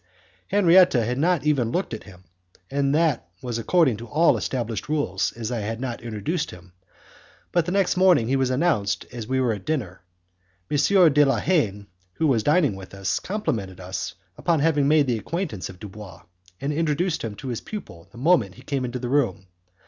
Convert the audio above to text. Henriette had not even looked at him, and that was according to all established rules, as I had not introduced him, but the next morning he was announced as we were at dinner. M. de la Haye, who was dining with us, complimented us upon having made the acquaintance of Dubois, and introduced him to his pupil the moment he came into the room.